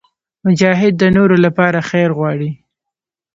مجاهد د نورو لپاره خیر غواړي.